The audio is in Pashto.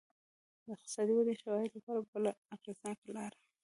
د اقتصادي ودې شواهدو لپاره بله اغېزناکه لار